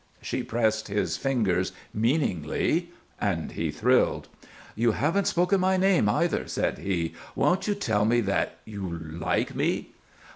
She pressed his fingers meaningly, and he thrilled. "You haven't spoken my name, either," said he. "Won't you tell me that you like me?"